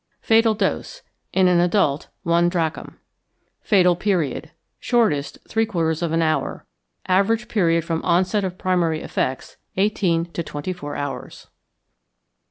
Fatal Dose. In an adult, 1 drachm. Fatal Period. Shortest, three quarters of an hour; average period from onset of primary effects, eighteen to twenty four hours.